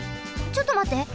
ちょっとまって。